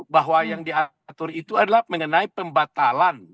bahwa yang diatur itu adalah mengenai pembatalan